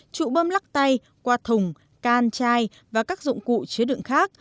trụ bơm lắc tay qua thùng can chai và các dụng cụ chứa đựng khác